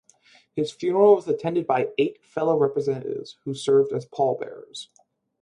His funeral was attended by eight fellow representatives who served as pallbearers.